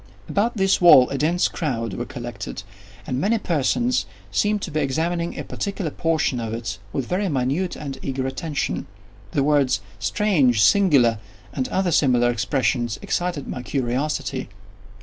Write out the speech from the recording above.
About this wall a dense crowd were collected, and many persons seemed to be examining a particular portion of it with very minute and eager attention. The words "strange!" "singular!" and other similar expressions, excited my curiosity.